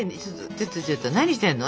ちょっとちょっと何してんの？